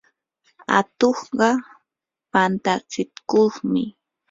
atuqqa pantatsikuqmi.